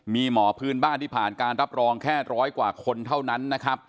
มีหมอพื้นบ้านที่ผ่านการรับรองแค่ร้อยกว่าคนเท่านั้นนะครับ